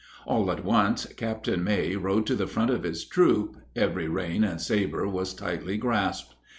All at once Captain May rode to the front of his troop every rein and sabre was tightly grasped.